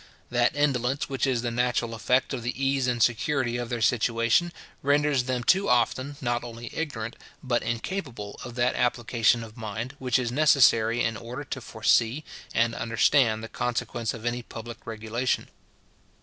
That indolence which is the natural effect of the ease and security of their situation, renders them too often, not only ignorant, but incapable of that application of mind, which is necessary in order to foresee and understand the consequence of any public regulation.